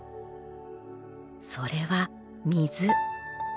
それは水。